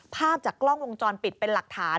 ภาพจากกล้องวงจรปิดเป็นหลักฐาน